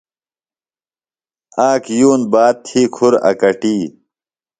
آک یُون باد تھی کُھر اکٹیۡ۔